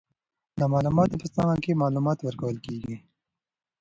د معلوماتو په څانګه کې، معلومات ورکول کیږي.